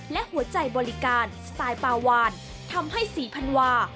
และหัวใจบริการสไตล์ปาวานทำให้ศรีพันวา